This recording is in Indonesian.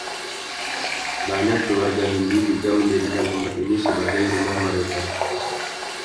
Banyak keluarga Hindu juga menjadikan tempat ini sebagai rumah mereka.